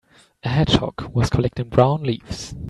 A hedgehog was collecting brown leaves.